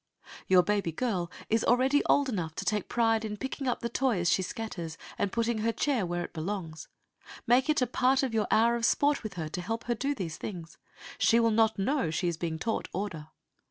Your baby girl is already old enough to take pride in picking up the toys she scatters, and putting her chair where it belongs. Make it a part of your hour of sport with her to help her do these things. She will not know she is being taught order.